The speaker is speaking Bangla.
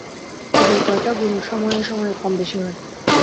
তবে এই কয়টা গুণ সময়ে সময়ে কম বেশী হয়।